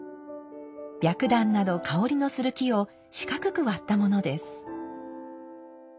白檀など香りのする木を四角く割ったものです。